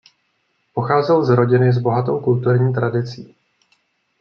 Pocházel z rodiny s bohatou kulturní tradicí.